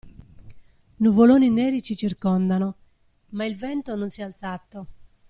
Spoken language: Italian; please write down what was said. Nuvoloni neri ci circondano, ma il vento non si è alzato.